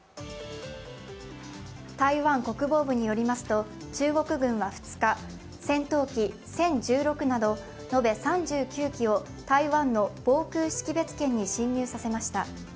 台湾国防部によりますと中国軍は２日、戦闘機、殲１６など延べ３９機を台湾の防空識別圏に進入させました。